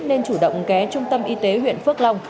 nên chủ động ghé trung tâm y tế huyện phước long